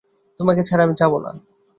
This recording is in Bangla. তোমাকে ছাড়া আমি যাব না।